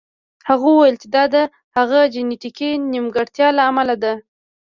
هغه وویل چې دا د هغه د جینیتیکي نیمګړتیا له امله ده